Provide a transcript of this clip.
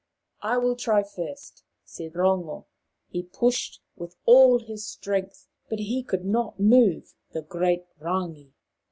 " I will try first," said Rongo. He pushed with all his strength, but he could not move the great Rangi.